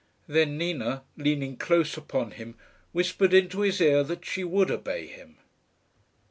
Then Nina, leaning close upon him, whispered into his ear that she would obey him.